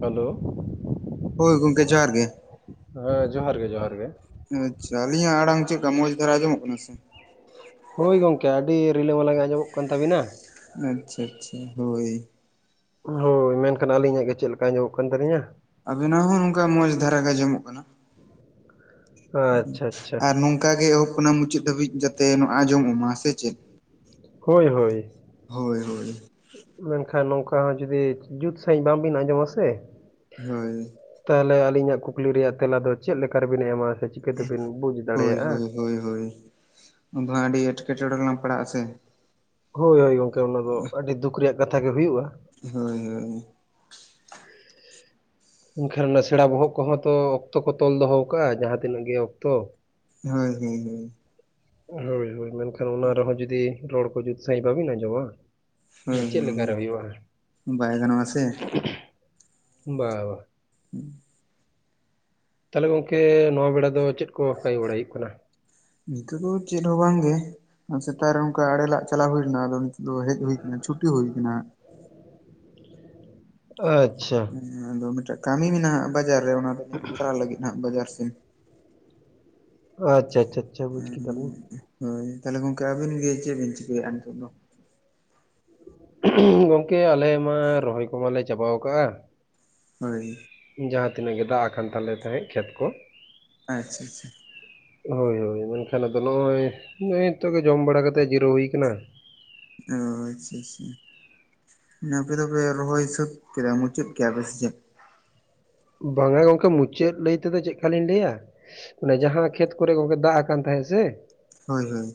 Hello ᱦᱳᱭ ᱜᱚᱝᱠᱮ ᱡᱚᱦᱟᱨ ᱜᱮ ᱦᱮᱸ ᱡᱚᱦᱟᱨ ᱜᱮ, ᱡᱚᱦᱟᱨ ᱜᱮ᱾ ᱟᱪᱪᱷᱟ ᱟᱞᱤᱧ ᱟᱜ ᱟᱲᱟᱝ ᱪᱮᱫ ᱠᱟ, ᱢᱚᱡᱽ ᱫᱷᱟᱨᱟ ᱟᱸᱡᱚᱢᱚᱜ ᱠᱟᱱᱟ ᱥᱮ? ᱦᱳᱭ ᱜᱚᱝᱠᱮ ᱟᱹᱰᱤ ᱨᱤᱞᱟᱹᱢᱟᱞᱟ ᱜᱮ, ᱟᱸᱡᱚᱢᱚᱜ ᱠᱟᱱ ᱛᱟᱹᱵᱤᱱᱟ᱾ ᱟᱪᱪᱷᱟ ᱟᱪᱪᱷᱟ ᱦᱳᱭ᱾ ᱦᱳᱭ ᱢᱮᱱᱠᱷᱟᱱ ᱟᱹᱞᱤᱧ ᱟᱜ ᱜᱮ, ᱪᱮᱫ ᱞᱮᱠᱟ ᱟᱸᱡᱚᱢᱚᱜ ᱠᱟᱱ ᱛᱟᱞᱤᱧᱟ? ᱟᱵᱤᱱᱟᱜ ᱦᱚᱸ ᱱᱚᱝᱠᱟ ᱢᱚᱸᱡᱽ ᱫᱷᱟᱨᱟ ᱜᱮ ᱟᱸᱡᱚᱢᱚᱜ ᱠᱟᱱᱟ᱾ ᱟᱪᱪᱷᱟ ᱟᱪᱪᱷᱟ ᱟᱨ ᱱᱚᱝᱠᱟ ᱜᱮ ᱮᱦᱚᱵ ᱠᱷᱚᱱᱟᱜ ᱢᱩᱪᱟᱹᱫ ᱫᱷᱟᱹᱵᱤᱡ, ᱡᱟᱛᱮ ᱟᱸᱡᱚᱢᱚᱜ ᱢᱟ ᱥᱮ ᱪᱮᱫ? ᱦᱳᱭ ᱦᱳᱭ᱾ ᱦᱳᱭ, ᱦᱳᱭ᱾ ᱢᱮᱱᱠᱷᱟᱱ ᱱᱚᱝᱠᱟ ᱦᱚᱸ ᱡᱩᱫᱤ, ᱡᱩᱛ ᱥᱟᱺᱦᱤᱡ ᱵᱟᱝ ᱵᱤᱱ ᱟᱸᱡᱚᱢ ᱟᱥᱮ ᱦᱳᱭ, ᱛᱟᱦᱚᱞᱮ ᱟᱹᱞᱤᱧᱟᱜ ᱠᱩᱠᱞᱤ ᱨᱮᱭᱟᱜ ᱛᱮᱞᱟ ᱫᱚ, ᱪᱮᱫ ᱞᱮᱠᱟ ᱨᱮᱵᱤᱱ ᱮᱢᱟ ᱥᱮ ᱪᱮᱫ? ᱦᱳᱭ, ᱦᱳᱭ, ᱦᱳᱭ, ᱦᱳᱭ, ᱩᱱ ᱫᱚ ᱦᱟᱸᱜ ᱟᱹᱰᱤ ᱮᱴᱠᱮᱴᱬᱮ ᱨᱮᱞᱟᱝ ᱯᱟᱲᱟᱜ ᱟ ᱥᱮ᱾ ᱦᱳᱭ ᱦᱳᱭ, ᱜᱚᱝᱠᱮ ᱚᱱᱟ ᱫᱚ ᱟᱹᱰᱤ ᱫᱩᱠ ᱨᱮᱭᱟᱜ ᱠᱟᱛᱷᱟ ᱜᱮ ᱦᱳᱭᱩᱜᱼᱟ᱾ ᱦᱳᱭ, ᱦᱳᱭ᱾ ᱢᱮᱱᱠᱷᱟᱱ ᱚᱱᱟ ᱥᱮᱬᱟ ᱵᱚᱦᱚᱜ ᱠᱚᱦᱚᱸ ᱛᱚ, ᱚᱠᱛᱚ ᱠᱚ ᱛᱚᱞ ᱫᱚᱦᱚ ᱠᱟᱜᱼᱟ, ᱡᱟᱦᱟᱸ ᱛᱤᱱᱟᱹᱜ ᱜᱮ ᱚᱠᱛᱚ᱾ ᱦᱳᱭ ᱦᱮᱸ, ᱦᱮᱸ ᱾ ᱦᱳᱭ ᱦᱳᱭ ᱢᱮᱱᱠᱷᱟᱱ ᱚᱱᱟ ᱨᱮᱦᱚᱸ ᱡᱩᱫᱤ, ᱨᱚᱲ ᱠᱚ ᱡᱩᱫ ᱥᱟᱺᱦᱤᱡ ᱵᱟᱹᱵᱤᱱ ᱟᱸᱡᱚᱢᱟ ᱢᱟᱱᱮ ᱦᱩᱸ, ᱪᱮᱫ ᱞᱮᱠᱟᱨᱮ ᱦᱩᱭᱩᱜᱼᱟ ᱦᱩᱸ, ᱵᱟᱭ ᱜᱟᱱᱚᱜ ᱟᱥᱮ᱾ ᱵᱟ-ᱵᱟ᱾ [inaudible] [inaudible] ᱛᱟᱦᱚᱞᱮ ᱜᱚᱝᱠᱮ ᱱᱚᱣᱟ ᱵᱮᱲᱟ ᱫᱚ, ᱪᱮᱫ ᱠᱚ ᱠᱟᱹᱢᱤ ᱵᱟᱲᱟᱭ ᱦᱳᱭᱳᱜ ᱠᱟᱱᱟ᱾ ᱱᱤᱛᱚᱜ ᱫᱚ ᱪᱮᱫ ᱦᱚᱸ ᱵᱟᱝ ᱜᱮ᱾ ᱥᱮᱛᱟᱜ ᱨᱮ ᱚᱱᱠᱟ ᱟᱲᱮ ᱞᱟᱜ ᱪᱟᱞᱟᱣ ᱦᱳᱭ ᱞᱮᱱᱟ, ᱟᱫᱚ ᱱᱤᱛᱚᱜ ᱫᱚ ᱦᱮᱡ ᱦᱳᱭ ᱠᱟᱱᱟ, ᱪᱷᱩᱴᱤ ᱦᱳᱭ ᱠᱟᱱᱟ᱾ ᱟᱪᱪᱷᱟ᱾ ᱦᱮᱸ ᱟᱫᱚ ᱢᱤᱫᱴᱟᱝ ᱠᱟᱹᱢᱤ ᱢᱮᱱᱟᱜᱼᱟ, ᱵᱟᱡᱟᱨ ᱨᱮ ᱚᱱᱟ ᱫᱚ ᱪᱟᱞᱟᱜ ᱞᱟᱹᱜᱤᱫ ᱦᱟᱜ ᱵᱟᱡᱟᱨ ᱥᱮᱱ᱾ ᱟᱪᱪᱷᱟ, ᱟᱪᱪᱷᱟ᱾ ᱟᱪᱪᱷᱟ ᱵᱩᱡᱽ ᱦᱩᱸ ᱠᱮᱫᱟᱞᱤᱧ ᱦᱩᱸ ᱦᱳᱭ ᱛᱟᱦᱚᱞᱮ ᱜᱚᱝᱠᱮ ᱟᱹᱵᱤᱱ ᱜᱮ, ᱪᱮᱫ ᱵᱤᱱ ᱪᱤᱠᱟᱹᱭᱮᱜᱼᱟ ᱱᱤᱛᱚᱜ ᱫᱚ? ᱜᱚᱝᱠᱮ ᱟᱞᱮ ᱢᱟ ᱨᱚᱦᱚᱭ ᱠᱚᱢᱟ ᱞᱮ ᱪᱟᱵᱟᱣ ᱠᱟᱜᱼᱟ᱾ ᱦᱳᱭ᱾ ᱡᱟᱦᱟᱸ ᱛᱤᱱᱟᱹᱜ ᱜᱮ ᱫᱟᱜ ᱟᱠᱟᱱ ᱛᱟᱞᱮ ᱛᱟᱦᱮᱸᱜ ᱠᱷᱮᱛ ᱠᱚ, ᱟᱪᱪᱷᱟ ᱟᱪᱪᱷᱟ ᱟᱪᱪᱷᱟ᱾ ᱦᱳᱭ ᱦᱳᱭ ᱢᱮᱱᱠᱷᱟᱱ ᱟᱫᱚ ᱱᱚᱜᱼᱚᱭ, ᱱᱚᱜᱼᱚᱭ ᱱᱤᱛᱚᱜ ᱜᱮ ᱡᱚᱢ ᱵᱟᱲᱟ ᱠᱟᱛᱮᱜ ᱡᱤᱨᱟᱹᱣ ᱦᱩᱭ ᱠᱟᱱᱟ᱾ ᱚᱻ ᱟᱪᱪᱷᱟ ᱟᱪᱪᱷᱟ᱾ ᱟᱯᱮ ᱫᱚᱯᱮ ᱨᱚᱦᱚᱭ ᱥᱟᱹᱛ ᱠᱮᱫᱟ ᱢᱩᱪᱟᱹᱫ ᱠᱮᱜ-ᱟ ᱯᱮ ᱥᱮ ᱪᱮᱫ? ᱵᱟᱝᱟ ᱜᱚᱝᱠᱮ ᱢᱩᱪᱟᱹᱫ ᱞᱟᱹᱭ ᱛᱮᱫᱚ ᱪᱮᱫᱠᱟ ᱞᱤᱧ ᱞᱟᱹᱭᱟ, ᱚᱱᱮ ᱡᱟᱦᱟᱸ ᱠᱷᱮᱛ ᱠᱚᱨᱮ ᱜᱚᱝᱠᱮ ᱫᱟᱜ ᱟᱠᱟᱱ ᱛᱟᱦᱮᱸᱜ ᱥᱮ ᱦᱳᱭ ᱦᱳᱭ᱾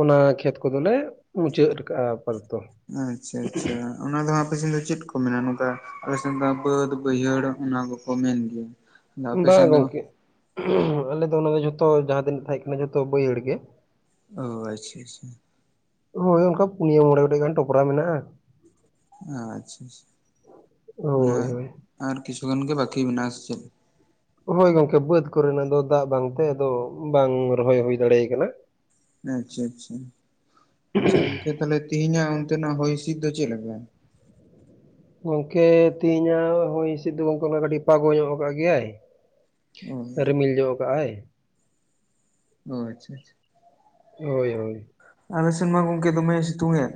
ᱚᱱᱟ ᱠᱷᱮᱛ ᱠᱚᱫᱚ ᱞᱮ ᱢᱩᱪᱟᱹᱫ [unintelligible] ᱟᱪᱪᱷᱟ ᱟᱪᱪᱷᱟ᱾ ᱚᱱᱟ ᱫᱚ ᱦᱟᱸᱜ ᱟᱯᱮ ᱥᱮᱱ ᱫᱚ ᱪᱮᱫ ᱠᱚ ᱢᱮᱱᱟ? ᱱᱚᱝᱠᱟ ᱟᱞᱮ ᱥᱮᱱ ᱫᱚ ᱵᱟᱹᱫ ᱵᱟᱹᱭᱦᱟᱹᱲ ᱚᱱᱟ ᱠᱚᱠᱚ ᱢᱮᱱ ᱜᱮᱭᱟ᱾ ᱟᱫᱚ ᱟᱯᱮ ᱵᱟ ᱥᱮᱱ ᱫᱚ ᱜᱚᱝᱠᱮ ᱟᱞᱮ ᱫᱚ ᱚᱱᱟ ᱫᱚ ᱡᱷᱚᱛᱚ ᱡᱟᱦᱟᱸ ᱛᱤᱱᱟᱹᱜ ᱛᱟᱦᱮᱸᱜ ᱠᱟᱱᱟ ᱡᱷᱚᱛᱚ ᱵᱟᱹᱭᱦᱟᱹᱲ ᱜᱮ᱾ ᱚᱻ ᱟᱪᱪᱷᱟ ᱟᱪᱪᱷᱟ᱾ ᱦᱳᱭ ᱚᱱᱠᱟ ᱯᱩᱱᱭᱟᱹ ᱢᱚᱬᱮ ᱜᱚᱴᱮᱡ ᱜᱟᱱ ᱴᱚᱯᱨᱟ ᱢᱮᱱᱟᱜᱼᱟ᱾ ᱟᱪᱪᱷᱟ ᱟᱪᱪᱷᱟ, ᱚᱱᱟ ᱦᱳᱭ ᱦᱳᱭ ᱟᱨ ᱠᱤᱪᱷᱩ ᱜᱟᱱ ᱜᱮ ᱵᱟᱠᱤ ᱢᱮᱱᱟᱜᱼᱟ ᱥᱮ ᱪᱮᱫ? ᱦᱳᱭ ᱜᱚᱝᱠᱮ ᱵᱟᱹᱫᱽ ᱠᱚ ᱨᱮᱱᱟᱜ ᱫᱚ ᱫᱟᱜ ᱵᱟᱝᱛᱮ ᱟᱫᱚ ᱵᱟᱝ ᱨᱚᱦᱚᱭ ᱦᱩᱭ ᱫᱟᱲᱮᱭ ᱠᱟᱱᱟ᱾ ᱟᱪᱪᱷᱟ ᱟᱪᱪᱷᱟ, ᱟᱪᱪᱷᱟ ᱜᱚᱝᱠᱮ ᱛᱟᱦᱚᱞᱮ ᱛᱤᱦᱤᱧᱟᱜ ᱚᱱᱛᱮᱱᱟᱜ ᱦᱚᱭ ᱦᱤᱥᱤᱫ ᱫᱚ ᱪᱮᱫ ᱞᱮᱠᱟ? ᱜᱚᱝᱠᱮ ᱛᱮᱦᱮᱧᱟᱜ ᱦᱚᱭ ᱦᱤᱥᱤᱫ ᱫᱚ ᱜᱚᱝᱠᱮ ᱚᱱᱟ ᱠᱟᱴᱤᱡ [unintelligible] ᱧᱚᱜ ᱠᱟᱜ ᱜᱮᱭᱟᱭ᱾ ᱚ ᱨᱤᱢᱤᱞ ᱧᱚᱜ ᱠᱟᱜᱼᱟᱭ᱾ ᱚ ᱟᱪᱪᱷᱟ ᱟᱪᱪᱷᱟ᱾ ᱦᱳᱭ ᱦᱳᱭ᱾ ᱟᱞᱮ ᱥᱮᱱ ᱢᱟ ᱜᱚᱝᱠᱮ ᱫᱚᱢᱮᱭ ᱥᱤᱛᱩᱝᱮᱫ᱾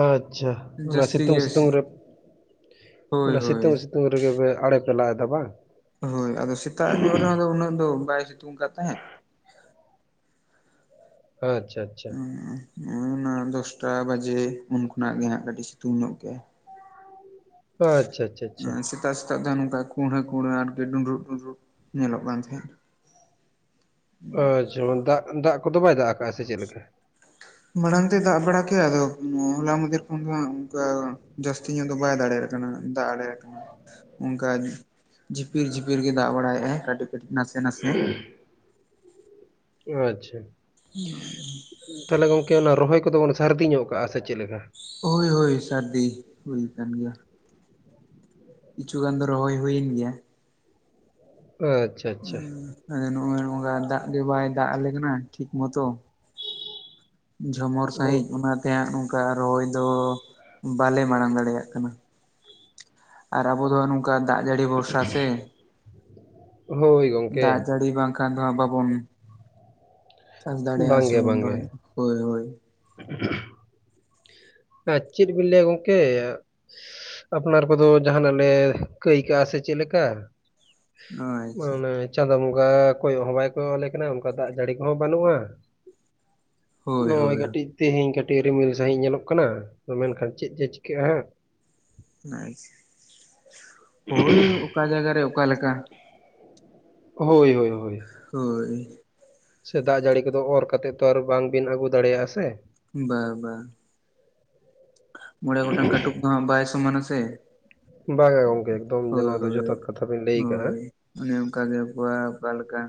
ᱟᱪ ᱪᱷᱟ, ᱚᱱᱟ ᱡᱟᱹᱥᱛᱤ ᱥᱤᱛᱩᱝ ᱜᱮ ᱥᱤᱛᱩᱝ ᱨᱮ, ᱦᱳᱭ ᱚᱱᱟ ᱦᱳᱭ ᱥᱤᱛᱩᱝ ᱥᱤ ᱛᱩᱝ ᱨᱮᱜᱮ ᱯᱮ ᱟᱲᱮ ᱯᱮ ᱞᱟᱜ ᱮᱫᱟ ᱵᱟᱝ? ᱦᱳᱭ ᱟᱫᱚ ᱥᱮᱛᱟᱜ ᱧᱚᱜ ᱨᱮᱦᱚᱸ ᱫᱚ ᱩᱱᱟᱹᱜ ᱫᱚ ᱵᱟᱭ ᱥᱤᱛᱩᱝ ᱠᱟᱜ ᱛᱟᱦᱮᱸᱫ, [unintelligible] [unintelligible] ᱚᱱᱟ ᱫᱚᱥᱴᱟ ᱵᱟᱡᱮ ᱩᱱ ᱠᱷᱚᱱᱟᱜ ᱜᱮ ᱦᱟᱸᱜ ᱠᱟᱹᱴᱤᱡ ᱥᱤᱛᱩᱝ ᱧᱚᱜ ᱠᱮᱜ-ᱟᱭ᱾ ᱚ ᱟᱪᱪᱷᱟ ᱟᱪᱪᱷᱟ ᱟᱪᱪᱷᱟ᱾ ᱥᱮᱛᱟᱜ ᱥᱮᱛᱟᱜ ᱛᱮ ᱱᱚᱝᱠᱟ ᱠᱩᱸᱲᱦᱟᱹ ᱠᱩᱸᱲᱦᱟᱹ ᱟᱨᱠᱤ ᱰᱩᱸᱲᱨᱩᱜ ᱰᱩᱸᱰᱨᱩᱜ ᱧᱮᱞᱚᱜ ᱠᱟᱱ ᱛᱟᱦᱮᱸᱫ᱾ ᱚ ᱟᱪᱪᱷᱟ [inaudible] ᱫᱟᱜ ᱫᱟᱜ ᱠᱚᱫᱚ ᱵᱟᱭ ᱫᱟᱜ ᱟᱠᱟᱫᱼᱟ ᱥᱮ ᱪᱮᱫ ᱞᱮᱠᱟ? ᱢᱟᱲᱟᱝ ᱫᱚᱭ ᱫᱟᱜ ᱵᱟᱲᱟ ᱠᱮᱜ-ᱟ ᱟᱫᱚ ᱦᱚᱞᱟ ᱢᱟᱫᱷᱮᱨ ᱠᱷᱚᱱ ᱫᱚ ᱦᱟᱸᱜ ᱚᱝᱠᱟ ᱡᱟᱹᱥᱛᱤ ᱧᱚᱜ ᱫᱚ ᱵᱟᱭ ᱫᱟᱲᱮᱭᱟᱜ ᱠᱟᱱᱟ ᱫᱟᱜ ᱫᱟᱲᱮᱭᱟᱜ ᱠᱟᱱᱟ᱾ ᱚᱝᱠᱟ, ᱡᱷᱤᱯᱤᱨ ᱡᱷᱤᱯᱤᱨ ᱜᱮᱭ ᱫᱟᱜ ᱵᱟᱲᱟᱭᱮᱜ-ᱟᱭ ᱠᱟᱹᱴᱤᱡ ᱠᱟᱹᱴᱤᱡ ᱱᱟᱥᱮ ᱱᱟᱥᱮ, ᱚ ᱟᱪᱪᱷᱟ᱾ [inaudible] ᱛᱟᱦᱚᱞᱮ ᱜᱚᱝᱠᱮ ᱚᱱᱟ ᱨᱚᱦᱚᱭ ᱠᱚᱫᱚ ᱵᱚᱱ ᱥᱟᱨᱫᱤ ᱧᱚᱜ ᱠᱟᱜᱼᱟ ᱥᱮ ᱪᱮᱫ ᱞᱮᱠᱟ? ᱦᱳᱭ ᱦᱳᱭ ᱥᱟᱨᱫᱤ ᱦᱩᱭ ᱠᱟᱱ ᱜᱮᱭᱟ᱾ ᱠᱤᱪᱷᱩ ᱜᱟᱱ ᱫᱚ ᱨᱚᱦᱚᱭ ᱦᱩᱭᱮᱱ ᱜᱮᱭᱟ᱾ ᱟᱪ ᱩᱸᱻ ᱢᱟᱱᱮ ᱱᱚᱜᱼᱚᱭ ᱱᱚᱝᱠᱟ ᱫᱟᱜ ᱜᱮ ᱵᱟᱭ ᱫᱟᱜ ᱟᱞᱮ ᱠᱟᱱᱟ ᱴᱷᱤᱠ ᱢᱚᱛᱚ, ᱡᱷᱚᱢᱚᱨ ᱥᱟᱺᱦᱤᱡ ᱦᱳ- ᱚᱱᱟᱛᱮ ᱦᱟᱸᱜ ᱱᱚᱝᱠᱟ ᱨᱚᱦᱚᱭ ᱫᱚ ᱵᱟᱞᱮ ᱢᱟᱲᱟᱝ ᱫᱟᱲᱮᱭᱟᱜ ᱠᱟᱱᱟ᱾ ᱟᱨ ᱟᱵᱚ ᱫᱚ ᱱᱚᱝᱠᱟ ᱫᱟᱜ ᱡᱟᱹᱲᱤ ᱵᱷᱚᱨᱥᱟ ᱥᱮ, ᱦᱳᱭ ᱜᱚᱝᱠᱮ ᱫᱟᱜ ᱡᱟᱹᱲᱤ ᱵᱟᱝ ᱠᱟᱱ ᱨᱮᱦᱚᱸ ᱵᱟᱵᱚᱱ, ᱪᱟᱥ ᱫᱟᱲᱮᱭᱟᱜ ᱥᱮ ᱵᱟᱝᱜᱮ ᱵᱚᱵᱚᱱ ᱵᱟᱝᱜᱮ ᱨᱚᱦᱚᱭ, ᱦᱳᱭ ᱦᱳᱭ᱾ [unintelligible] ᱟᱨ ᱪᱮᱫ ᱵᱤᱱ ᱞᱟᱹᱭᱟ ᱜᱚᱝᱠᱮ᱾ ᱟᱯᱱᱟᱨ ᱠᱚᱫᱚ ᱡᱟᱦᱟᱱᱟᱜ ᱞᱮ ᱠᱟᱹᱭ ᱠᱟᱜᱼᱟ ᱥᱮ ᱪᱮᱫ ᱞᱮᱠᱟ᱾ ᱟᱪᱪᱷᱟ ᱢᱟᱱᱮ ᱪᱟᱸᱫᱚ ᱵᱚᱸᱜᱟ ᱠᱚᱭᱚᱜ ᱦᱚᱸ ᱵᱟᱭ ᱠᱚᱭᱚᱜ ᱟᱞᱮ ᱠᱟᱱᱟ ᱚᱱᱠᱟ ᱫᱟᱜ ᱡᱟᱹᱲᱤ ᱠᱚᱦᱚᱸ ᱵᱟᱹᱱᱩᱜᱼᱟ᱾ ᱦᱳᱭ ᱱᱚᱜᱼᱚᱭ ᱦᱳᱭ ᱠᱟᱹᱴᱤᱡ ᱛᱮᱦᱮᱧ ᱠᱟᱹᱴᱤᱡ ᱨᱤᱢᱤᱞ ᱥᱟᱺᱦᱤᱡ ᱧᱮᱞᱚᱜ ᱠᱟᱱᱟ ᱢᱮᱱᱠᱷᱟᱱ ᱪᱮᱫ ᱡᱮ ᱪᱤᱠᱟᱹᱜᱼᱟ ᱦᱟᱸᱜ᱾ [inaudible] ᱦᱳᱭ ᱚᱠᱟ ᱡᱟᱭᱜᱟ ᱨᱮ ᱚᱠᱟ ᱞᱮᱠᱟ᱾ ᱦᱳᱭ ᱦᱳᱭ ᱦᱳᱭ᱾ ᱦᱳᱭ᱾ ᱥᱮ ᱫᱟᱜ ᱡᱟᱹᱲᱤ ᱠᱚᱫᱚ ᱚᱨ ᱠᱟᱛᱮᱜ ᱛᱚ ᱟᱨ ᱵᱟᱝ ᱵᱤᱱ ᱟᱹᱜᱩ ᱫᱟᱲᱮᱭᱟᱜᱼᱟ ᱥᱮ᱾ ᱵᱟ ᱵᱟ᱾ ᱢᱚᱬᱮ ᱜᱚᱴᱟᱝ ᱠᱟᱴᱩᱵ ᱫᱚ ᱦᱟᱸᱜ ᱵᱟᱭ ᱥᱚᱢᱟᱱᱟ ᱥᱮ᱾ ᱵᱟᱝᱟ ᱜᱚᱝᱠᱮ ᱮᱠᱫᱚᱢ ᱦᱳᱭ ᱱᱚᱣᱟ ᱫᱚ ᱦᱳᱭ ᱡᱚᱛᱷᱟᱛ ᱠᱟᱛᱷᱟ ᱵᱤᱱ ᱞᱟᱹᱭ ᱠᱟᱜᱼᱟ ᱦᱳᱭ᱾ ᱚᱱᱮ ᱚᱱᱠᱟ ᱜᱮ ᱚᱠᱚᱭᱟᱜ ᱚᱠᱟ ᱞᱮᱠᱟ,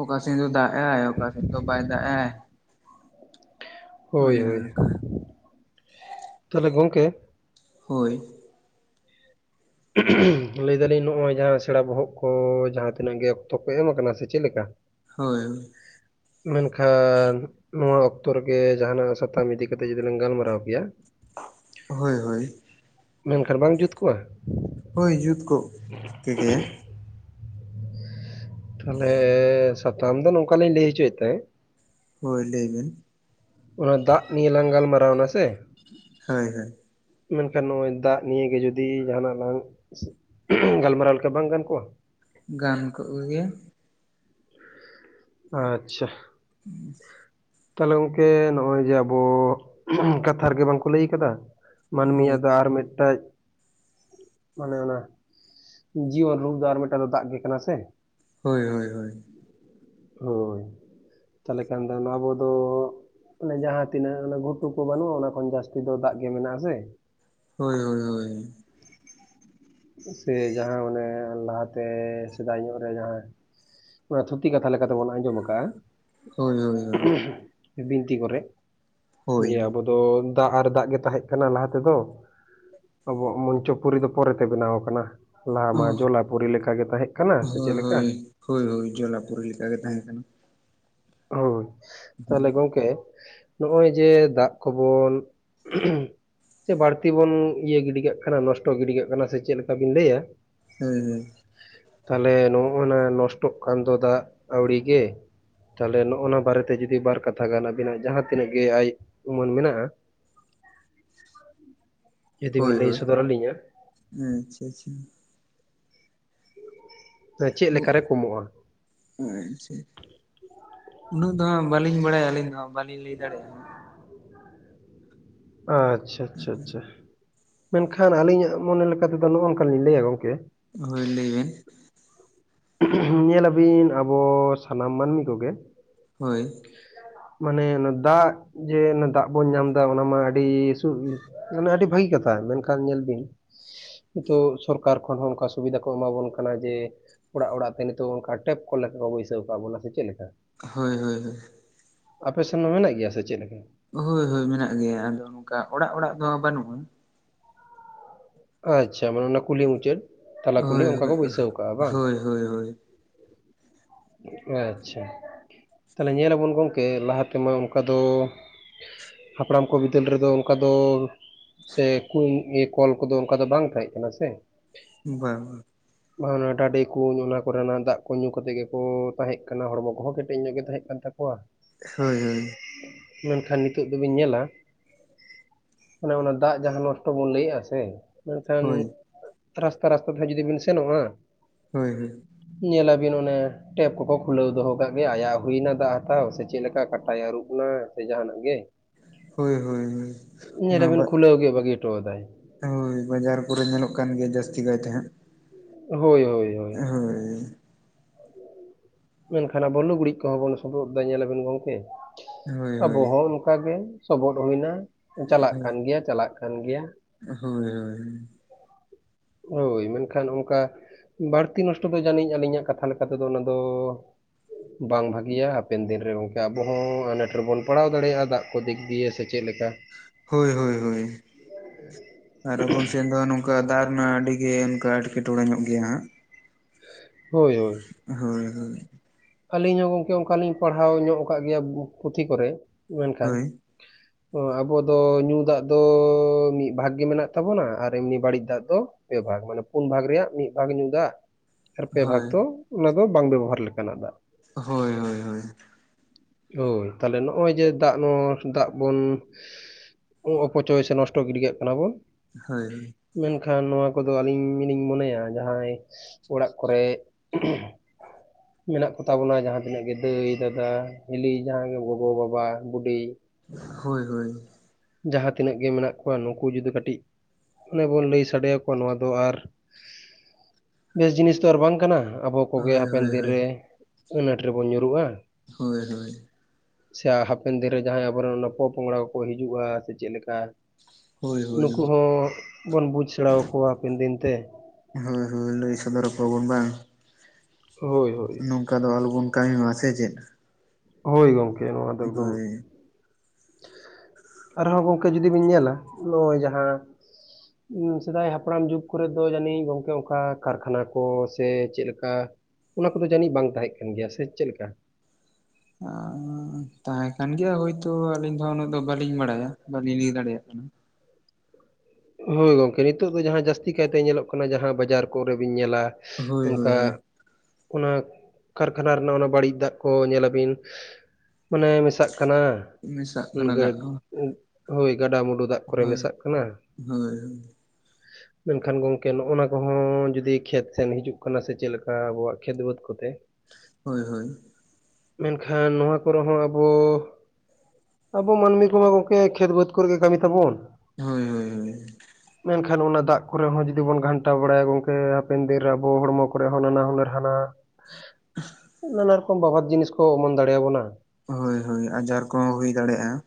ᱚᱠᱟ ᱥᱮᱱ ᱫᱚ ᱫᱟᱜ ᱦᱮᱸ ᱚᱠᱟ ᱥᱮ ᱫᱚ ᱵᱟᱭ ᱫᱟᱜ-ᱮ᱾ ᱦᱳᱭ ᱦᱳᱭ ᱚᱱᱠᱟ ᱛᱟᱞᱦᱮ ᱜᱚᱝᱠᱮ᱾ ᱦᱳᱭ᱾ ᱞᱟᱹᱭ ᱫᱟᱞᱤᱧ ᱱᱚᱜᱼᱚᱭ ᱡᱟᱦᱟᱸ ᱥᱮᱬᱟ ᱵᱚᱦᱚᱜ ᱠᱚ ᱡᱟᱦᱟᱸ ᱛᱤᱱᱟᱹᱜ ᱜᱮ ᱚᱠᱛᱚ ᱠᱚ ᱮᱢ ᱟᱠᱟᱱᱟ, ᱥᱮ ᱪᱮᱫ ᱞᱮᱠᱟ? ᱦᱳᱭ ᱳᱭ᱾ ᱢᱮᱱᱠᱷᱟᱱ ᱱᱚᱣᱟ ᱚᱠᱛᱚ ᱨᱮᱜᱮ ᱡᱟᱦᱟᱱᱟᱜ ᱥᱟᱛᱟᱢ ᱤᱫᱤ ᱠᱟᱛᱮᱜ ᱡᱩᱫᱤ ᱞᱟᱝ ᱜᱟᱞᱢᱟᱨᱟᱣ ᱠᱮᱭᱟ᱾ ᱦᱳᱭ ᱦᱳᱭ᱾ ᱢᱮᱱᱠᱷᱟᱱ ᱵᱟᱝ ᱡᱩᱛ ᱠᱚᱜᱼᱟ? ᱦᱳᱭ ᱡᱩᱛ ᱠᱚᱜ ᱠᱮᱜᱮᱭᱟ᱾ ᱛᱟᱷᱞᱮ ᱥᱟᱛᱟᱢ ᱫᱚ ᱱᱚᱝᱠᱟᱞᱤᱧ ᱞᱮᱭ ᱦᱚᱪᱚᱭᱮᱫ ᱛᱟᱦᱮᱸᱫ᱾ ᱦᱳᱭ ᱞᱮᱭ ᱵᱤᱱ᱾ ᱚᱱᱟ ᱫᱟᱜ ᱱᱤᱭᱮ ᱞᱟᱝ ᱜᱟᱞᱢᱟᱨᱟᱣ ᱮᱱᱟ ᱥᱮ? ᱦᱳᱭ ᱦᱳᱭ᱾ ᱢᱮᱱᱠᱷᱟᱱ ᱱᱚᱜᱼᱚᱭ ᱫᱟᱜ ᱱᱤᱭᱟᱹ ᱜᱮ ᱡᱩᱫᱤ ᱡᱟᱦᱟᱱᱟᱜ ᱞᱟᱝ ᱜᱟᱞᱢᱟᱨᱟᱣ ᱞᱮᱠᱷᱟᱡ ᱵᱟᱝ ᱜᱟᱱ ᱠᱚᱼᱟ? ᱜᱟᱱ ᱠᱚᱜ ᱠᱮᱜᱮᱭᱟ᱾ ᱟᱪᱪᱷᱟ᱾ [inaudible] ᱛᱟᱦᱞᱮ ᱜᱚᱝᱠᱮ ᱱᱚᱸᱜᱼᱚᱭ ᱡᱮ ᱟᱵᱚ, ᱠᱟᱛᱷᱟ ᱨᱮᱜᱮ ᱵᱟᱝᱠᱚ ᱞᱟᱹᱭ ᱟᱠᱟᱫᱟ᱾ ᱦᱳᱭ ᱢᱟᱹᱱᱢᱤᱭᱟᱜ ᱫᱚ ᱟᱨ ᱢᱤᱫᱴᱮᱡ ᱢᱟᱱᱮ ᱚᱱᱟ ᱡᱤᱭᱚᱱ ᱨᱩᱯ ᱫᱚ ᱟᱨ ᱢᱤᱫᱴᱟᱝ ᱫᱚ ᱫᱟᱜ ᱜᱮ ᱠᱟᱱᱟ ᱥᱮ? ᱦᱳᱭ ᱦᱳᱭ ᱦᱳᱭ᱾ ᱦᱳᱭ ᱛᱟᱦᱞᱮ ᱠᱷᱟᱱ ᱫᱚ ᱱᱟᱵᱚ ᱫᱚ ᱚᱱᱮ ᱡᱟᱦᱟᱸ ᱛᱤᱱᱟᱹᱜ ᱚᱱᱟ ᱜᱷᱩᱴᱩ ᱠᱚ ᱵᱟᱹᱱᱩᱜᱼᱟ ᱚᱱᱟ ᱠᱷᱚᱱ ᱡᱟᱹᱥᱛᱤ ᱫᱚ ᱫᱟᱜ ᱜᱮ ᱢᱮᱱᱟᱜ-ᱟ ᱥᱮ? ᱦᱳᱭ ᱦᱳᱭ ᱦᱳᱭ᱾ ᱥᱮ ᱡᱟᱦᱟᱸ ᱚᱱᱮ ᱞᱟᱦᱟᱛᱮ ᱥᱮᱫᱟᱭ ᱧᱚᱜ ᱨᱮ ᱡᱟᱦᱟᱸ ᱚᱱᱟ ᱛᱷᱩᱛᱤ ᱠᱟᱛᱷᱟ ᱞᱮᱠᱟᱛᱮᱵᱚᱱ ᱟᱸᱡᱚᱢ ᱟᱠᱟᱜᱼᱟ᱾ ᱦᱳᱭ ᱦᱳᱭ ᱦᱳᱭ᱾ ᱵᱤᱱᱛᱤ ᱠᱚᱨᱮ ᱦᱳᱭ ᱡᱮ ᱟᱵᱚ ᱛᱚ ᱫᱟᱜ ᱟᱨ ᱫᱟᱜ ᱜᱮ ᱛᱟᱦᱮᱸ ᱠᱟᱱᱟ ᱞᱟᱦᱟ ᱛᱮᱫᱚ, ᱟᱵᱚᱣᱟᱜ ᱢᱚᱧᱪᱚᱯᱩᱨᱤ ᱫᱚ ᱯᱚᱨᱮ ᱛᱮ ᱵᱮᱱᱟᱣ ᱟᱠᱟᱱᱟ ᱞᱟᱦᱟ ᱢᱟ ᱦᱳᱭ ᱡᱚᱞᱟᱯᱩᱨᱤ ᱞᱮᱠᱟ ᱜᱮ ᱛᱟᱦᱮᱸᱜ ᱠᱟᱱᱟ, ᱥᱮ ᱪᱮᱫ ᱦᱳᱭ ᱞᱮᱠᱟ? ᱦᱳᱭ ᱦᱳᱭ ᱡᱚᱞᱟᱯᱩᱨᱤ ᱞᱮᱠᱟ ᱜᱮ ᱛᱟᱦᱮᱸ ᱠᱟᱱᱟ ᱾ ᱦᱳᱭ ᱛᱟᱦᱞᱮ ᱜᱚᱝᱠᱮ ᱱᱚᱜᱚᱭ ᱡᱮ ᱫᱟᱜ ᱠᱚᱵᱚᱱ ᱥᱮ ᱵᱟᱹᱲᱛᱤ ᱵᱚᱱ ᱤᱭᱟᱹ ᱜᱤᱰᱤ ᱠᱟᱜ ᱠᱟᱱᱟ ᱱᱚᱥᱴᱚ ᱜᱤᱰᱤ ᱠᱟᱜ ᱠᱟᱱᱟ ᱥᱮ ᱪᱮᱫ ᱞᱮᱠᱟ ᱵᱤᱱ ᱞᱟᱹᱭᱟ? ᱦᱩᱸ ᱦᱩᱸ ᱛᱟᱦᱚᱞᱮ ᱱᱚᱜ ᱱᱟ ᱱᱚᱥᱴᱚᱜ ᱠᱟᱱ ᱫᱚ ᱫᱟᱜ ᱟᱹᱣᱲᱤ ᱜᱮ ᱛᱟᱦᱚᱞᱮ ᱱᱚᱜᱚ ᱱᱟ ᱵᱟᱨᱮᱛᱮ ᱡᱩᱫᱤ ᱵᱟᱨ ᱠᱟᱛᱷᱟ ᱜᱟᱱ ᱟᱵᱤᱱᱟᱜ ᱡᱟᱦᱟᱸ ᱛᱤᱱᱟᱹᱜ ᱜᱮ ᱟᱭ ᱩᱢᱟᱹᱱ ᱢᱮᱱᱟᱜᱼᱟ ᱡᱩᱫᱤ ᱵᱤᱱ ᱞᱟᱹᱭ ᱥᱚᱫᱚᱨ ᱟᱹᱞᱤᱧᱟᱜ? ᱦᱮᱸ ᱪᱷᱟ ᱪᱷᱟ ᱛᱚ ᱪᱮᱫ ᱞᱮᱠᱟ ᱨᱮ ᱠᱚᱢᱚᱜᱼᱟ? ᱟ ᱪᱷᱟ ᱩᱱᱟᱹᱜ ᱫᱚ ᱦᱟᱸᱜ ᱵᱟᱹᱞᱤᱧ ᱵᱟᱲᱟᱭᱟ ᱟᱹᱞᱤᱧ ᱫᱚ ᱦᱟᱸᱜ ᱵᱟᱹᱞᱤᱧ ᱞᱟᱹᱭ ᱫᱟᱲᱮᱭᱟᱜᱼᱟ ᱦᱟᱸᱜ᱾ ᱟ ᱪᱷᱟ ᱪᱷᱟ ᱪᱷᱟ᱾ ᱢᱮᱱᱠᱷᱟᱱ ᱟᱹᱞᱤᱧᱟᱜ ᱢᱚᱱᱮ ᱞᱮᱠᱟᱛᱮᱫᱚ ᱱᱚᱜᱼᱚ ᱱᱚᱝᱠᱟ ᱞᱤᱧ ᱞᱟᱹᱭᱟ ᱜᱚᱝᱠᱮ᱾ ᱦᱚᱭ ᱞᱟᱹᱭ ᱵᱤᱱ ᱾ ᱧᱮᱞᱟᱵᱤᱱ ᱟᱵᱚ ᱥᱟᱱᱟᱢ ᱢᱟᱹᱱᱢᱤ ᱠᱚᱜᱮ᱾ ᱦᱳᱭ ᱢᱟᱱᱮ ᱚᱱᱟ ᱫᱟᱜ ᱡᱮ ᱚᱱᱟ ᱫᱟᱜ ᱵᱚᱱ ᱧᱟᱢᱫᱟ ᱚᱱᱟ ᱢᱟ ᱟᱹᱰᱤ ᱥᱩᱨ ᱨᱮ ᱾ ᱚᱱᱮ ᱟᱹᱰᱤ ᱵᱷᱟᱹᱜᱤ ᱠᱟᱛᱷᱟ ᱢᱮᱱᱠᱷᱟᱱ ᱧᱮᱞ ᱵᱤᱱ᱾ ᱱᱤᱛᱚᱜ ᱥᱚᱨᱠᱟᱨ ᱠᱷᱚᱱ ᱦᱚᱸ ᱚᱱᱠᱟ ᱥᱩᱵᱤᱫᱷᱟ ᱠᱚ ᱮᱢᱟᱵᱚᱱ ᱠᱟᱱᱟ ᱡᱮ ᱾ ᱚᱲᱟᱜ ᱚᱲᱟᱜ ᱛᱮ ᱱᱤᱛᱚᱜ ᱚᱱᱠᱟ ᱴᱮᱯ ᱠᱚ ᱞᱮᱠᱟ ᱠᱚ ᱵᱟᱹᱭᱥᱟᱹᱣ ᱟᱠᱟᱫ ᱵᱚᱱᱟ ᱥᱮ ᱪᱮᱫ ᱞᱮᱠᱟ? ᱦᱳᱭ ᱦᱳᱭ ᱦᱳᱭ ᱟᱯᱮ ᱥᱮᱱ ᱢᱟ ᱢᱮᱱᱟᱜ ᱜᱮᱭᱟ ᱥᱮ ᱪᱮᱫ ᱞᱮᱠᱟ? ᱦᱳᱭ ᱦᱳᱭ ᱢᱮᱱᱟᱜ ᱜᱮᱭᱟ ᱟᱫᱚ ᱱᱚᱝᱠᱟ ᱚᱲᱟᱜ ᱚᱲᱟᱜ ᱫᱚ ᱵᱟᱹᱱᱩᱜᱼᱟ᱾ ᱟᱪᱪᱷᱟ ᱢᱟᱱᱮ ᱚᱱᱟ ᱠᱩᱞᱦᱤ ᱢᱩᱪᱟᱹᱫ ᱛᱟᱞᱟ ᱠᱩᱞᱦᱤ ᱦᱳᱭ ᱚᱱᱠᱟ ᱠᱚ ᱵᱟᱹᱭᱥᱟᱹᱣ ᱠᱟᱜᱼᱟ ᱵᱟᱝ? ᱦᱳᱭ ᱦᱳᱭ ᱦᱳᱭ ᱟᱪᱪᱷᱟ ᱛᱟᱦᱞᱮ ᱧᱮᱞ ᱟᱵᱚᱱ ᱜᱚᱝᱠᱮ ᱞᱟᱦᱟ ᱛᱮᱢᱟ ᱚᱱᱠᱟ ᱫᱚ ᱦᱟᱯᱲᱟᱢ ᱠᱚ ᱵᱤᱫᱟᱹᱞ ᱨᱮᱫᱚ ᱚᱱᱠᱟ ᱫᱚ ᱥᱮ ᱠᱩᱧ ᱤᱟᱹ ᱠᱚᱞ ᱠᱚᱫᱚ ᱚᱱᱠᱟ ᱫᱚ ᱵᱟᱝ ᱛᱟᱦᱮᱸ ᱠᱟᱱᱟ ᱥᱮ᱾ ᱵᱟᱝ ᱵᱟᱝ ᱵᱟ ᱚᱱᱟ ᱰᱟᱹᱰᱮ ᱠᱩᱧ ᱚᱱᱟ ᱠᱚᱨᱮᱱᱟᱜ ᱫᱟᱜ ᱠᱚ ᱧᱩ ᱠᱟᱛᱮ ᱜᱮ ᱠᱳ ᱛᱟᱦᱮᱸᱜ ᱠᱟᱱᱟ ᱦᱚᱲᱢᱚ ᱠᱚᱦᱚᱸ ᱠᱮᱴᱮᱡ ᱧᱚᱜ ᱜᱮ ᱛᱟᱦᱮᱸ ᱠᱟᱱ ᱛᱟᱠᱚᱣᱟ᱾ ᱦᱳᱭ ᱦᱳᱭ ᱢᱮᱱᱠᱷᱟᱱ ᱱᱤᱛᱚᱜ ᱫᱚᱵᱤᱱ ᱧᱮᱞᱟ ᱚᱱᱮ ᱚᱱᱟ ᱫᱟᱜ ᱡᱟᱦᱟᱸ ᱱᱚᱥᱴᱚ ᱵᱚᱱ ᱞᱟᱹᱭᱟᱜᱼᱟ ᱥᱮ ᱢᱮᱱᱠᱷᱟᱱ ᱦᱳᱭ ᱨᱟᱥᱛᱟ ᱨᱟᱥᱛᱟ ᱛᱮᱦᱚ ᱡᱩᱫᱤ ᱵᱚᱱ ᱥᱮᱱᱚᱜᱼᱟ ᱦᱳᱭ ᱦᱳᱭ ᱧᱮᱞ ᱟᱵᱤᱱ ᱚᱱᱮ ᱴᱮᱯ ᱠᱚᱠᱚ ᱠᱷᱩᱞᱟᱹᱣ ᱫᱚᱦᱚ ᱠᱟᱜ ᱜᱮᱭᱟ ᱟᱭᱟᱜ ᱦᱩᱭᱱᱟ ᱫᱟᱜ ᱦᱟᱛᱟᱣ ᱥᱮ ᱪᱮᱫ ᱞᱮᱠᱟ ᱠᱟᱴᱟᱭ ᱟᱹᱨᱩᱵ ᱮᱱᱟ ᱥᱮ ᱡᱟᱦᱟᱱᱟᱜ ᱜᱮ᱾ ᱦᱳᱭ ᱦᱳᱭ ᱚᱱᱟ ᱧᱮᱞᱮᱵᱤᱱ ᱠᱷᱩᱞᱟᱣ ᱜᱮ ᱵᱟᱹᱜᱤ ᱦᱚᱴᱚᱣᱟᱫᱟᱭ᱾ ᱦᱳᱭ ᱵᱟᱡᱟᱨ ᱠᱚᱨᱮ ᱧᱮᱞᱚᱜ ᱠᱟᱱ ᱜᱮᱭᱟ ᱡᱟᱹᱥᱛᱤ ᱠᱟᱭ ᱛᱮᱦᱟᱸᱜ᱾ ᱦᱳᱭ ᱦᱳᱭ ᱦᱳᱭ ᱦᱳᱭ ᱢᱮᱱᱠᱷᱟᱱ ᱟᱵᱚ ᱞᱩᱜᱽᱲᱤᱡ ᱠᱚᱦᱚᱸ ᱵᱚᱱ ᱥᱚᱵᱚᱫᱽ ᱫᱟ ᱧᱮᱞᱟᱵᱚᱱ ᱜᱚᱝᱠᱮ ᱦᱳᱭ ᱟᱵᱚ ᱦᱳᱭ ᱦᱚᱸ ᱚᱱᱠᱟᱜᱮ᱾ ᱥᱚᱵᱚᱴᱚᱜ ᱦᱩᱭ ᱱᱟ ᱪᱟᱞᱟᱜ ᱠᱟᱱ ᱜᱮᱭᱟ ᱪᱟᱞᱟᱜ ᱠᱟᱱ ᱜᱮᱭᱟ ᱦᱳᱭ ᱦᱳᱭ ᱦᱳᱭ ᱢᱮᱱᱠᱷᱟᱱ ᱚᱱᱠᱟ ᱵᱟᱹᱲᱛᱤ ᱱᱚᱥᱴᱚ ᱫᱚ ᱡᱟᱹᱱᱤᱡ ᱟᱹᱞᱤᱧᱟᱜ ᱠᱟᱛᱷᱟ ᱞᱮᱠᱟᱛᱮᱫᱚ ᱚᱱᱟ ᱫᱚ ᱵᱟᱝ ᱵᱷᱟᱹᱜᱤᱭᱟ ᱦᱟᱯᱮᱱ ᱫᱤᱱ ᱨᱮ ᱜᱚᱝᱠᱮ ᱟᱵᱚᱦᱚᱸ ᱟᱱᱟᱴ ᱨᱮᱵᱚᱱ ᱯᱟᱲᱟᱣ ᱫᱟᱲᱮᱟᱜᱼᱟ ᱫᱟᱜᱽ ᱠᱚ ᱫᱤᱠ ᱫᱤᱭᱟᱹ ᱥᱮ ᱪᱮᱫ ᱞᱮᱠᱟ᱾ ᱦᱳᱭ ᱦᱳᱭ ᱦᱳᱭ᱾ ᱟᱨ ᱟᱵᱚᱱ ᱥᱮᱱ ᱫᱚ ᱱᱚᱝᱠᱟ ᱫᱟᱜᱽ ᱨᱮᱱᱟᱜ ᱟᱹᱰᱤ ᱜᱮ ᱚᱱᱠᱟ ᱮᱴᱠᱮᱴᱚᱸᱬᱮ ᱧᱚᱜ ᱜᱮᱭᱟ ᱦᱟᱸᱜ᱾ ᱦᱳᱭ ᱦᱳᱭ, ᱦᱳᱭ ᱦᱳᱭ ᱟᱹᱞᱤᱧ ᱦᱚᱸ ᱜᱚᱝᱠᱮ ᱚᱱᱠᱟᱞᱤᱧ ᱯᱟᱲᱦᱟᱣ ᱧᱚᱜ ᱠᱟᱜ ᱜᱮᱭᱟ ᱵᱩᱠ ᱯᱩᱛᱷᱤ ᱠᱚᱨᱮ ᱢᱮᱱᱠᱷᱟᱱ ᱚ ᱟᱵᱚ ᱫᱚ ᱧᱩ ᱫᱟᱜᱽ ᱫᱚ ᱢᱤᱜ ᱵᱷᱟᱜ ᱜᱮ ᱢᱮᱱᱟᱜ ᱛᱟᱵᱚᱱᱟ ᱟᱨ ᱮᱢᱱᱤ ᱵᱟᱹᱲᱤᱜ ᱫᱟᱜᱽ ᱫᱚ ᱯᱮ ᱵᱷᱟᱜᱽ ᱢᱟᱱᱮ ᱯᱩᱱ ᱵᱷᱟᱜᱽ ᱨᱮᱭᱟᱜ ᱢᱤᱜ ᱵᱷᱟᱜᱽ ᱧᱩ ᱫᱟᱜ, ᱟᱨ ᱯᱮ ᱵᱷᱟᱜᱽ ᱦᱳᱭ ᱫᱚ ᱚᱱᱟ ᱫᱚ ᱵᱟᱝ ᱵᱮᱵᱚᱦᱟᱨ ᱞᱮᱠᱟᱱᱟᱜ ᱫᱟᱜᱽ᱾ ᱦᱳᱭ ᱦᱳᱭ ᱦᱳᱭ᱾ ᱦᱳᱭ ᱛᱟᱦᱞᱮ ᱱᱚᱜᱼᱚᱭ ᱡᱮ ᱫᱟᱜᱽ ᱱᱚᱣᱟ ᱫᱟᱜᱽ ᱵᱚᱱ ᱩ ᱚᱯᱚᱪᱚᱭ ᱥᱮ ᱱᱚᱥᱴᱚ ᱜᱤᱰᱤᱠᱟᱜ ᱠᱟᱱᱟ ᱵᱚᱱ ᱦᱳᱭ ᱦᱳᱭ᱾ ᱢᱮᱱᱠᱷᱟᱱ ᱱᱚᱣᱟ ᱠᱚᱫᱚ ᱟᱹᱞᱤᱧ ᱢᱟᱹᱞᱤᱧ ᱢᱚᱱᱮᱭᱟ ᱡᱟᱦᱟᱸᱭ ᱚᱲᱟᱜ ᱠᱚᱨᱮᱜ ᱢᱮᱱᱟᱜ ᱠᱚ ᱛᱟᱵᱚᱱᱟ ᱡᱟᱦᱟᱸ ᱛᱤᱱᱟᱹᱜ ᱜᱮ ᱫᱟᱹᱭ ᱫᱟᱫᱟ ᱦᱮᱞᱤ ᱡᱟᱦᱟᱸᱭ ᱜᱮ ᱜᱚᱜᱚ ᱵᱟᱵᱟ ᱵᱩᱰᱤ, ᱦᱳᱭ ᱦᱳᱭ, ᱡᱟᱦᱟᱸ ᱛᱤᱱᱟᱹᱜ ᱜᱮ ᱢᱮᱱᱟᱜ ᱠᱚᱣᱟ ᱱᱩᱠᱩ ᱡᱩᱫᱤ ᱠᱟᱹᱴᱤᱜ ᱚᱱᱮ ᱵᱚᱱ ᱞᱟᱹᱭ ᱥᱟᱰᱮᱭᱟᱠᱚᱣᱟ ᱱᱚᱣᱟ ᱫᱚ ᱟᱨ ᱵᱮᱥ ᱡᱤᱱᱤᱥ ᱛᱚ ᱟᱨ ᱵᱟᱝ ᱠᱟᱱᱟ ᱟᱵᱚ ᱠᱚᱜᱮ ᱦᱳᱭ ᱦᱳᱭ ᱦᱟᱯᱮᱱ ᱦᱳᱭ ᱫᱤᱱ ᱦᱳᱭ ᱨᱮ ᱟᱹᱱᱟᱹᱴ ᱨᱮᱵᱚᱱ ᱧᱩᱨᱩᱜᱼᱟ᱾ ᱦᱳᱭ ᱦᱳᱭ, ᱥᱮ ᱦᱟᱯᱮᱱ ᱫᱤᱱ ᱨᱮ ᱡᱟᱦᱟᱸᱭ ᱟᱵᱚᱨᱮᱱ ᱚᱱᱟ ᱯᱚᱼᱯᱚᱝᱲᱟ ᱠᱚᱠᱚ ᱦᱤᱡᱩᱜᱼᱟ ᱥᱮ ᱪᱮᱜᱞᱮᱠᱟ ᱦᱳᱭ ᱱᱩᱠᱩ ᱦᱚᱸ ᱵᱚᱱ ᱵᱩᱡᱽ ᱥᱮᱬᱟᱣᱟᱠᱚᱣᱟ ᱦᱟᱯᱮᱱ ᱫᱤᱱ ᱛᱮ᱾ ᱦᱳᱭ ᱦᱳᱭ ᱞᱟᱹᱭ ᱥᱚᱫᱚᱨ ᱠᱚᱣᱟ ᱵᱚᱱ ᱵᱟᱝ᱾ ᱦᱳᱭ ᱦᱳᱭ, ᱱᱚᱠᱟ ᱫᱚ ᱟᱞᱚᱵᱚᱱ ᱠᱟᱹᱢᱤ ᱢᱟ ᱥᱮ ᱪᱮᱫ᱾ ᱦᱳᱭ ᱜᱚᱝᱠᱮ ᱱᱚᱣᱟ ᱫᱚ ᱮᱠᱫᱚᱢ ᱦᱳᱭ ᱟᱨᱦᱚᱸ ᱜᱚᱝᱠᱮ ᱡᱩᱫᱤ ᱵᱤᱱ ᱧᱮᱞᱟ, ᱱᱚᱜᱼᱚᱭ ᱡᱟᱦᱟᱸ ᱥᱮᱫᱟᱭ ᱦᱟᱯᱲᱟᱢ ᱡᱩᱜᱽ ᱠᱚᱨᱮ ᱫᱚ ᱡᱟᱹᱱᱤᱡ ᱜᱚᱝᱠᱮ ᱚᱱᱠᱟ ᱠᱟᱨᱠᱷᱟᱱᱟ ᱠᱚ, ᱥᱮ ᱪᱮᱜ ᱞᱮᱠᱟ ᱚᱱᱟ ᱠᱚᱫᱚ ᱡᱟᱹᱱᱤᱡ ᱵᱟᱝ ᱛᱟᱦᱮᱸ ᱠᱟᱱ ᱜᱮᱭᱟ, ᱥᱮ ᱪᱮᱫ ᱞᱮᱠᱟ? ᱟᱸ ᱛᱟᱦᱮᱸ ᱠᱟᱱ ᱜᱮᱭᱟ ᱦᱳᱭᱛᱳ ᱟᱹᱞᱤᱧ ᱫᱚ ᱩᱱᱟᱹᱜ ᱫᱚ ᱵᱟᱹᱞᱤᱧ ᱵᱟᱲᱟᱭᱟ, ᱵᱟᱹᱞᱤᱧ ᱞᱟᱹᱭ ᱫᱟᱲᱮᱭᱟᱜ ᱠᱟᱱᱟ᱾ ᱦᱳᱭ ᱜᱚᱝᱠᱮ ᱱᱤᱛᱚᱜ ᱫᱚ ᱡᱟᱦᱟᱸ ᱡᱟᱹᱥᱛᱤ ᱠᱟᱭᱛᱮ ᱧᱮᱞᱚᱜ ᱠᱟᱱᱟ, ᱡᱟᱦᱟᱸ ᱵᱟᱡᱟᱨ ᱠᱚᱨᱮᱵᱤᱱ ᱧᱮᱞᱟ᱾ ᱦᱳᱭ ᱦᱳᱭ ᱚᱱᱠᱟ ᱦᱳᱭ ᱚᱱᱟ ᱠᱟᱨᱠᱷᱟᱱᱟ ᱨᱮᱱᱟᱜ ᱚᱱᱟ ᱵᱟᱹᱲᱤᱜ ᱫᱟᱜᱽ ᱠᱚ ᱧᱮᱞᱟᱵᱤᱱ ᱢᱟᱱᱮ ᱢᱮᱛᱟᱜ ᱠᱟᱱᱟ ᱢᱮᱥᱟᱜ ᱠᱟᱱᱟ ᱫᱟᱜ ᱦᱚᱸ ᱦᱳᱭ ᱜᱟᱰᱟᱢᱩᱸᱰᱩ ᱫᱟᱜᱽ ᱠᱚᱨᱮ ᱢᱮᱥᱟᱜ ᱠᱟᱱᱟ᱾ ᱦᱚᱭ ᱦᱚᱭ᱾ ᱢᱮᱱᱠᱷᱟᱱ ᱜᱚᱝᱠᱮ ᱱᱚᱜᱼᱚᱱᱟ ᱠᱚᱦᱚᱸ ᱡᱩᱫᱤ ᱠᱷᱮᱛ ᱥᱮᱱ ᱦᱤᱡᱩᱜ ᱠᱟᱱᱟ ᱥᱮ ᱪᱮᱫ ᱞᱮᱠᱟ ᱟᱵᱚᱣᱟᱜ ᱠᱷᱮᱛ ᱵᱟᱹᱫᱽ ᱠᱚᱛᱮ, ᱦᱳᱭ ᱦᱳᱭ᱾ ᱢᱮᱱᱠᱷᱟᱱ ᱱᱚᱣᱟ ᱠᱚᱨᱮ ᱦᱚᱸ ᱟᱵᱚ, ᱟᱵᱚ ᱢᱟᱹᱱᱢᱤ ᱠᱚᱢᱟ ᱜᱚᱝᱠᱮ, ᱠᱷᱮᱛ ᱵᱟᱹᱫᱽ ᱠᱚᱨᱮᱜᱮ ᱠᱟᱹᱢᱤ ᱛᱟᱵᱚᱱ᱾ ᱦᱳᱭ ᱦᱳᱭ ᱦᱳᱭ᱾ ᱢᱮᱱᱠᱷᱟᱱ ᱚᱱᱟ ᱫᱟᱜ ᱠᱚᱨᱮ ᱦᱚᱸ ᱡᱩᱫᱤ ᱵᱚᱱ ᱜᱷᱟᱱᱴᱟ ᱵᱟᱲᱟᱭᱟ ᱜᱚᱝᱠᱮ, ᱦᱟᱯᱮᱱ ᱫᱤᱱ ᱨᱮ ᱟᱵᱚ ᱦᱚᱲᱢᱚ ᱠᱚᱨᱮ ᱦᱚᱸ ᱱᱟᱱᱟ ᱦᱩᱱᱟᱹᱨ ᱦᱟᱱᱟ ᱱᱟᱱᱟ ᱨᱚᱠᱚᱢ ᱵᱟᱵᱟᱛ ᱡᱤᱱᱤᱥ ᱠᱚ ᱚᱢᱚᱱ ᱫᱟᱲᱮᱭ ᱵᱚᱱᱟ᱾ ᱦᱳᱭ ᱦᱳᱭ ᱟᱡᱟᱨ ᱠᱚᱦᱚᱸ ᱦᱩᱭ ᱫᱟᱲᱮᱜᱼᱟ᱾ᱦᱳᱭ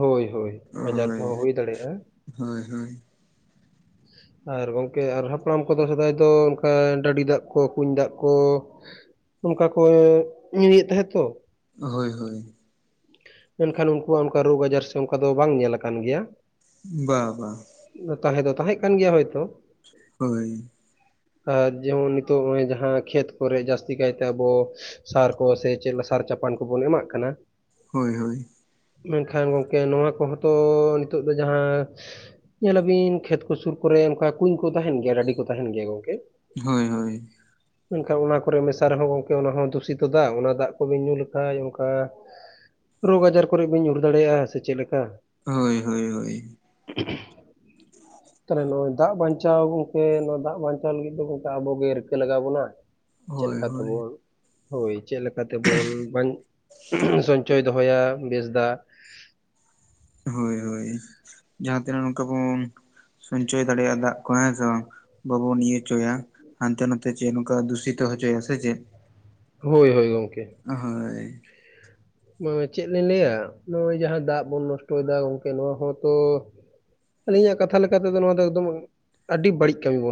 ᱦᱳᱭ ᱦᱳᱭ ᱟᱡᱟᱨ ᱦᱳᱭ, ᱠᱚᱦᱚᱸ ᱦᱩᱭ ᱫᱟᱲᱮᱭᱟᱜᱼᱟ ᱦᱳᱭ ᱦᱳᱭ᱾ [unintelligible] ᱟᱨ ᱜᱚᱝᱠᱮ ᱟᱨ ᱦᱟᱯᱲᱟᱢ ᱠᱚᱫᱚ ᱥᱮᱫᱟᱭ ᱫᱚ ᱚᱱᱠᱟ, ᱰᱟᱹᱰᱤ ᱫᱟᱜ ᱠᱚ ᱠᱩᱧ ᱫᱟᱜ ᱠᱚ ᱚᱱᱠᱟ ᱠᱚ ᱧᱩᱭᱮᱫ ᱛᱟᱦᱮᱸ ᱛᱚ, ᱦᱳᱭ ᱦᱳᱭ᱾ ᱢᱮᱱᱠᱷᱟᱱ ᱩᱱᱠᱩᱣᱟᱜ ᱚᱱᱠᱟ ᱨᱳᱜᱽ ᱟᱡᱟᱨ ᱥᱮ ᱚᱱᱠᱟ ᱫᱚ ᱵᱟᱝ ᱧᱮᱞ ᱠᱟᱱ ᱜᱮᱭᱟ᱾ ᱵᱟ ᱵᱟ᱾ ᱛᱟᱦᱮᱸ ᱫᱚ ᱛᱟᱦᱮᱸ ᱠᱟᱱ ᱜᱮᱭᱟ ᱦᱳᱭᱛᱚ᱾ ᱦᱳᱭ᱾ ᱟᱨ ᱡᱮᱢᱚᱱ ᱱᱤᱛᱚᱜ ᱱᱚᱸᱜᱼᱚᱭ ᱡᱟᱦᱟᱸ ᱠᱷᱮᱛ ᱠᱚᱨᱮ ᱡᱟᱹᱥᱛᱤ ᱠᱟᱭᱛᱮ ᱟᱵᱚ ᱥᱟᱨ ᱠᱚ ᱥᱮ ᱪᱮᱫ ᱥᱟᱨ ᱪᱟᱯᱟᱱ ᱠᱚᱵᱚᱱ ᱮᱢᱟᱜ ᱠᱟᱱᱟ, ᱦᱳᱭ ᱦᱳᱭ᱾ ᱢᱮᱱᱠᱷᱟᱱ ᱜᱚᱢᱠᱮ ᱱᱚᱣᱟ ᱠᱚᱦᱚᱸ ᱛᱚ ᱱᱤᱛᱚᱜ ᱫᱚ ᱡᱟᱦᱟᱸ ᱧᱮᱞᱟᱵᱤᱱ ᱠᱷᱮᱛ ᱠᱚ ᱥᱩᱨ ᱠᱚᱨᱮ ᱚᱱᱠᱟ ᱠᱩᱧ ᱠᱚ ᱛᱟᱦᱮᱸᱱ ᱜᱮᱭᱟ, ᱰᱟᱹᱰᱤ ᱠᱚ ᱛᱟᱦᱮᱸᱱ ᱜᱮᱭᱟ ᱜᱚᱝᱠᱮ᱾ ᱦᱳᱭ ᱦᱳᱭ᱾ [unintelligible] ᱢᱮᱱᱠᱷᱟᱱ ᱚᱱᱟ ᱠᱚᱨᱮᱜ ᱢᱮᱥᱟ ᱨᱮᱦᱚᱸ ᱜᱚᱢᱠᱮ ᱚᱱᱟ ᱦᱚᱸ ᱫᱩᱥᱤᱛᱚ ᱫᱟ, ᱚᱱᱟ ᱫᱟᱜ ᱠᱚᱵᱤᱱ ᱧᱩ ᱞᱮᱠᱷᱟᱡ ᱚᱱᱠᱟ ᱨᱳᱜᱽ ᱟᱡᱟᱨ ᱠᱚᱨᱮᱜ ᱵᱟᱹᱱ ᱧᱩᱨ ᱫᱟᱲᱮᱭᱟᱜᱼᱟ ᱥᱮ ᱪᱮᱫ ᱞᱮᱠᱟ? ᱦᱳᱭ ᱦᱳᱭ ᱦᱳᱭ᱾ [inaudible] ᱛᱟᱦᱚᱞᱮ ᱱᱚᱸᱜᱼᱚᱭ ᱫᱟᱜ ᱵᱟᱧᱪᱟᱣ ᱜᱚᱢᱠᱮ ᱱᱚᱣᱟ ᱫᱟᱜ ᱵᱟᱧᱪᱟᱣ ᱞᱟᱹᱜᱤᱫ ᱫᱚ, ᱜᱚᱢᱠᱮ ᱟᱵᱚᱜ ᱜᱮ ᱨᱤᱠᱟᱹ ᱞᱟᱜᱟᱣ ᱵᱚᱱᱟ᱾ ᱦᱳᱭ ᱪᱮᱫᱠᱟ ᱦᱳᱭ ᱛᱮᱵᱚᱱ ᱦᱳᱭ ᱪᱮᱫᱞᱮᱠᱟ ᱛᱮᱵᱚᱱ ᱵᱟᱧ ᱥᱚᱧᱪᱚᱭ ᱫᱚᱦᱚᱭᱟ ᱵᱮᱥ ᱫᱟᱜ, ᱦᱳᱭ ᱦᱳᱭ ᱡᱟᱦᱟᱸ ᱛᱤᱱᱟᱹᱜ ᱱᱚᱝᱠᱟ ᱵᱚᱱ ᱥᱚᱧᱪᱚᱭ ᱫᱟᱲᱮᱭᱟᱜᱼᱟ, ᱫᱟᱜ ᱠᱚ ᱦᱮᱸ ᱥᱮ ᱵᱟᱝ? ᱵᱟᱵᱚᱱ ᱱᱤᱭᱟᱹ ᱦᱚ ᱪᱚᱭᱟ, ᱦᱟᱸᱱᱛᱮ ᱱᱟᱛᱮ ᱪᱮ ᱱᱚᱠᱟ ᱫᱩᱥᱤᱛ ᱦᱚᱪᱚᱭᱟ ᱥᱮ ᱪᱮᱫ? ᱦᱳᱭ ᱦᱳᱭ ᱜᱚᱢᱠᱮ᱾ ᱦᱳᱭ᱾ ᱱᱚᱸᱜᱼᱚᱭ ᱪᱮᱫ ᱞᱤᱧ ᱞᱟᱹᱭᱟ, ᱱᱚᱸᱜᱼᱚᱭ ᱡᱟᱦᱟᱸ ᱫᱟᱜ ᱵᱚᱱ ᱱᱚᱥᱴᱚᱭᱫᱟ ᱜᱚᱝᱠᱮ ᱱᱚᱣᱟ ᱦᱚᱸᱛᱚ ᱟᱹᱞᱤᱧᱟᱜ ᱠᱟᱛᱷᱟ ᱞᱮᱠᱟ ᱛᱮᱫᱚ, ᱱᱚᱣᱟ ᱫᱚ ᱮᱠᱫᱚᱢ ᱟᱹᱰᱤ ᱵᱟᱹᱲᱤᱡ ᱠᱟᱹᱢᱤ ᱵᱚᱱ